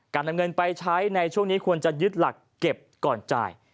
นำเงินไปใช้ในช่วงนี้ควรจะยึดหลักเก็บก่อนจ่าย